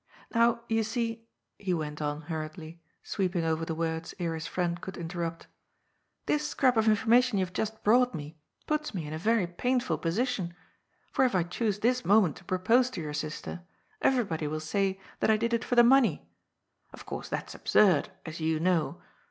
" Now, you see," he went on hurriedly, sweeping over the words, ere his friend could interrupt, ^ this scrap of in formation you have just brought me puts me in a very pain ful position. For if I choose this moment to propose to your sister, everybody will say that I did it for the money. Of course that's absurd, as you know.